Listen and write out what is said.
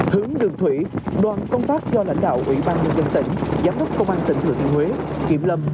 hướng đường thủy đoàn công tác do lãnh đạo ủy ban nhân dân tỉnh giám đốc công an tỉnh thừa thiên huế kiểm lâm